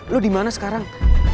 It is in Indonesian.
lo dimana sekarang